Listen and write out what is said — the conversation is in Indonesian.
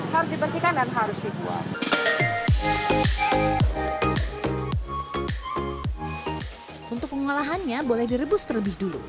harus dibersihkan dan harus dibuang untuk pengolahannya boleh direbus terlebih dulu